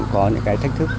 có những cái thách thức